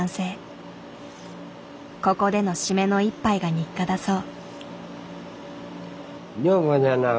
ここでのシメの一杯が日課だそう。